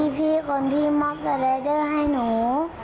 พี่คนที่มอบสไลเดอร์ให้หนู